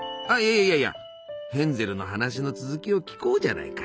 いやいやヘンゼルの話の続きを聞こうじゃないか。